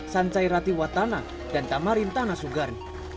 sancai ratiwatana dan tamarin tanasugar